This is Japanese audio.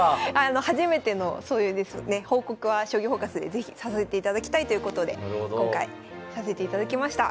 初めてのそういう報告は「将棋フォーカス」で是非させていただきたいということで今回させていただきました。